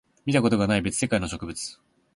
見たことがない別世界の植物